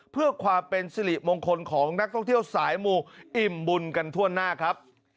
เพื่อความเป็นสิริมงคลของนักท่องเที่ยวสายมูอิ่มบุญกันทั่วหน้าครับ